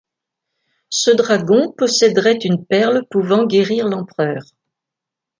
Ce dragon posséderait une perle pouvant guérir l'empereur.